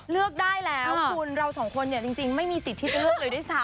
เลือกได้แล้วคุณเราสองคนเนี่ยจริงไม่มีสิทธิ์ที่จะเลือกเลยด้วยซ้ำ